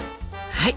はい！